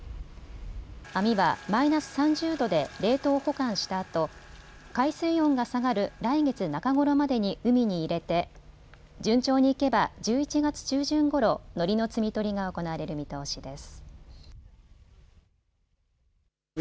網はマイナス３０度で冷凍保管したあと海水温が下がる来月中頃までに海に入れて順調に行けば１１月中旬ごろのりの摘み取りが行われる見通しです。